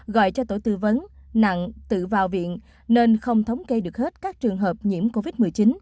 gọi cho tổ tư vấn nặng tự vào viện nên không thống kê được hết các trường hợp nhiễm covid một mươi chín